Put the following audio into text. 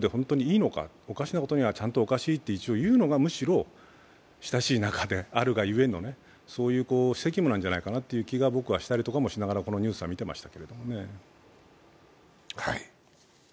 この態度で本当にいいのかおかしなことにはおかしいってちゃんと言うのがむしろ親しい仲であるがゆえの責務なんじゃないかと僕はしたりとかもしながらこのニュースを見ていました。